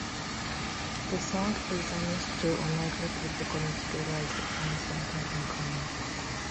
The song examines two unlikely people coming together as they find something in common.